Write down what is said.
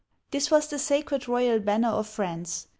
This was the sacred royal banner of France.